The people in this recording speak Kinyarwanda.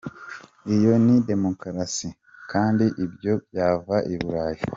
Iyo ni demokarasi? Kandi ibyo byavaga i Burayi.